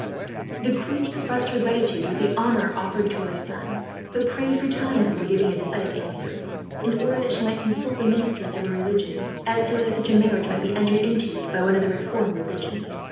The queen expressed her gratitude for the honour offered to her son, but prayed for time before giving a decided answer, in order that she might consult the ministers of her religion as to whether such a marriage might be entered into, by one of the Reformed religion.